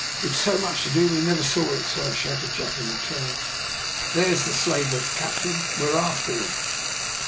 "We'd so much to do, we never saw it, sir," shouted Jack in return. "There's the slaver's captain we're after him."